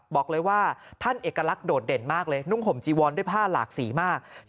บอกเลยว่าท่านเอกลักษณ์โดดเด่นมากเลยนุ่งห่มจีวอนด้วยผ้าหลากสีมาก